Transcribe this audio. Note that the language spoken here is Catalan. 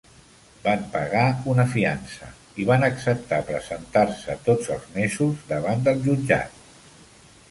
Van pagar una fiança i van acceptar presentar-se tots els mesos davant del jutjat.